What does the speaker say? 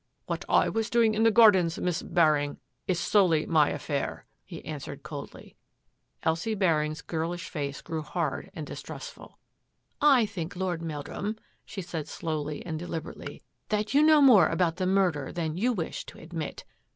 " What I was doing in the gardens, Miss Baring, is solely my own affair," he answered coldly. Elsie Baring's girlish face grew hard and dis ' trustful. " I think. Lord Meldrum," she said slowly and deliberately, " that you know more about the mur der than you wish to admit."